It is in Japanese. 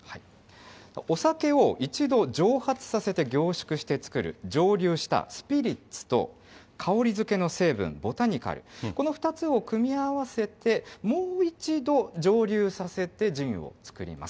お酒を一度蒸発させて凝縮して造る、蒸留したスピリッツと、香りづけの成分、ボタニカル、この２つを組み合わせて、もう一度蒸留させてジンを造ります。